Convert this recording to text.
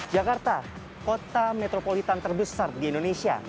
jakarta kota metropolitan terbesar di indonesia